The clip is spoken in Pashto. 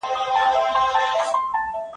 څونه ښکلی وړکتوب و